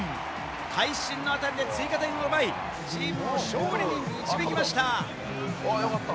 会心の当たりで追加点を奪い、チームを勝利に導きました。